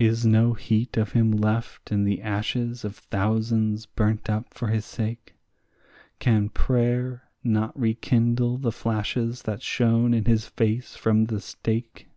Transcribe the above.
Is no heat of him left in the ashes of thousands burnt up for his sake? Can prayer not rekindle the flashes that shone in his face from the stake?